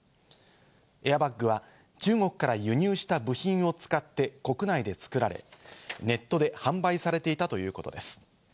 エアバッグは中国から輸入した部品を使って国内で作られ、ネットで販売されていたということです。